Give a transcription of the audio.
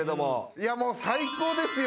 いやもう最高ですよ。